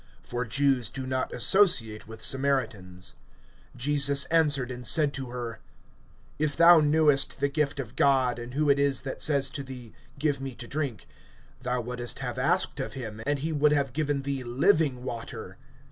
For Jews do not associate with Samaritans. (10)Jesus answered and said to her: If thou knewest the gift of God, and who it is that says to thee, Give me to drink, thou wouldest have asked of him, and he would have given thee living water.